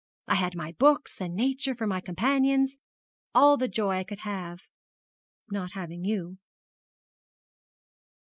I had my books and Nature for my companions, all the joy I could have, not having you.'